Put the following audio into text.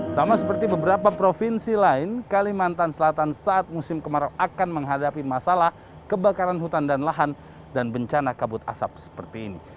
sama seperti beberapa provinsi lain kalimantan selatan saat musim kemarau akan menghadapi masalah kebakaran hutan dan lahan dan bencana kabut asap seperti ini